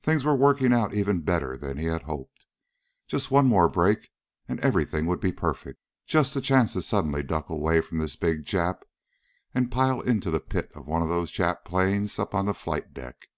Things were working out even better than he had hoped. Just one more break and everything would be perfect. Just the chance to suddenly duck away from this big Jap and pile into the pit of one of those Jap planes up on the flight deck.